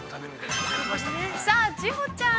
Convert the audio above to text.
◆さあ千穂ちゃん